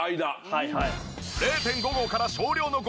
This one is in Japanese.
はいはい。